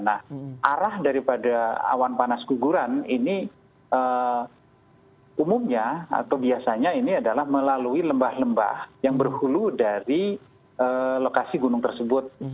nah arah daripada awan panas guguran ini umumnya atau biasanya ini adalah melalui lembah lembah yang berhulu dari lokasi gunung tersebut